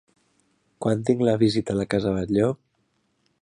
Quan tinc la visita a la casa Batlló?